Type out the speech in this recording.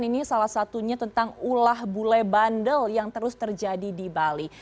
ini salah satunya tentang ulah bule bandel yang terus terjadi di bali